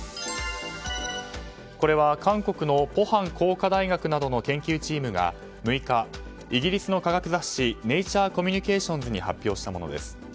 これは韓国の浦項工科大学などの研究チームが６日イギリスの科学雑誌「ネイチャー・コミュニケーションズ」に発表したものです。